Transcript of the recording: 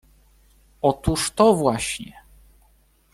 — Otóż to właśnie.